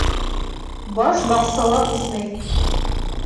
Баш баҡсала үҫмәй.